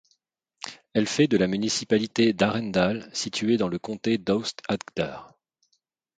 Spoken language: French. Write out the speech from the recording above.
Elle fait de la municipalité d'Arendal située dans le comté d'Aust-Agder.